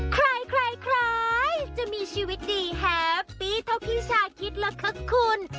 ใครใครจะมีชีวิตดีแฮปปี้เท่าพี่ชาคิดแล้วคะคุณ